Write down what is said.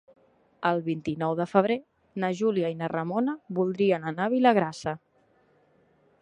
El vint-i-nou de febrer na Júlia i na Ramona voldrien anar a Vilagrassa.